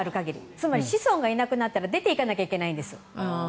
つまり子孫がいなくなったら出ていかなきゃいけないんです。